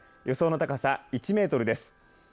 予想の高さ１メートルです。